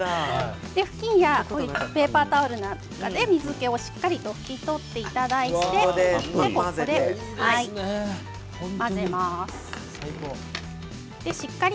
布巾やペーパータオルでしっかり水けを拭き取っていただいて混ぜます。